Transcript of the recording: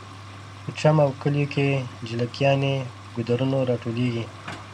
په چم او کلیو کې جلکیانې په ګودرونو راټولیږي